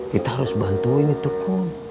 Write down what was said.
kita harus bantuin itu kum